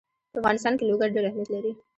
په افغانستان کې لوگر ډېر اهمیت لري.